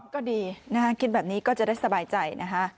ก็ดีคิดแบบนี้ก็จะได้สบายใจ